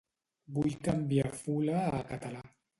Vull canviar fula a català.